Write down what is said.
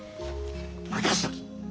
任しとき！